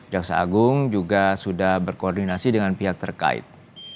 jaksa agung juga sudah berkoordinasi dengan pihak terkait